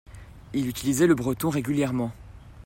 il utilisait le breton régulièrement.